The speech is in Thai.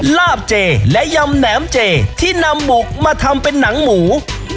ลาบเจและยำแหนมเจที่นำหมกมาทำเป็นหนังหมู